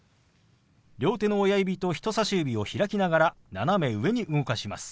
両手の親指と人さし指を開きながら斜め上に動かします。